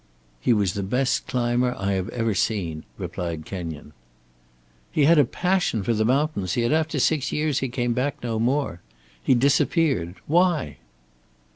"He was the best climber I have ever seen," replied Kenyon. "He had a passion for the mountains. Yet after six years he came back no more. He disappeared. Why?"